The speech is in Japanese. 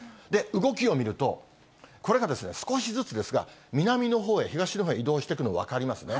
動きを見ると、これが少しずつですが、南のほうへ、東のほうへ移動してくるの分かりますね。